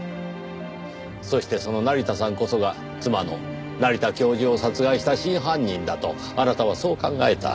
そしてその成田さんこそが妻の成田教授を殺害した真犯人だとあなたはそう考えた。